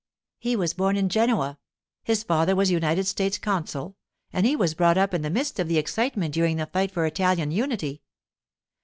He was born in Genoa—his father was United States consul—and he was brought up in the midst of the excitement during the fight for Italian unity.